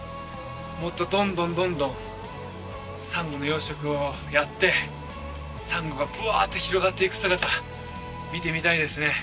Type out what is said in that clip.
もっとどんどんどんどんサンゴの養殖をやってサンゴがブワーって広がっていく姿見てみたいですね